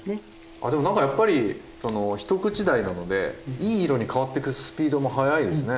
あでも何かやっぱり一口大なのでいい色に変わってくスピードも早いですね。